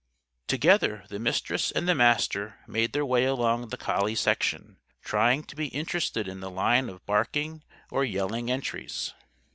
Together, the Mistress and the Master made their way along the collie section, trying to be interested in the line of barking or yelling entries.